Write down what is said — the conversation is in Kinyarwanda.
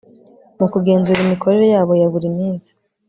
mu kugenzura imikorere yabo ya buri minsi